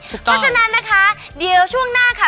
เพราะฉะนั้นนะคะเดี๋ยวช่วงหน้าค่ะ